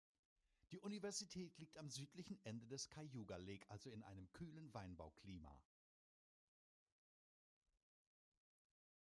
Die Universität liegt am südlichen Ende des Cayuga Lake, also in einem kühlen Weinbauklima.